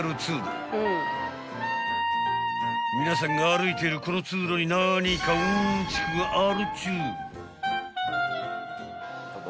［皆さんが歩いているこの通路に何かうんちくがあるっちゅう］